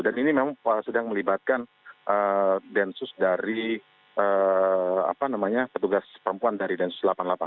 dan ini memang sedang melibatkan densus dari apa namanya petugas perempuan dari densus delapan puluh delapan